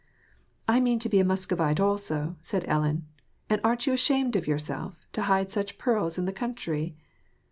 *^ I mean to be a Muscovite also." said Ellen. << And aren't you ashamed of yourself, to hide such pearls in the country